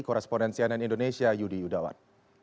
koresponen cnn indonesia yudi yudawan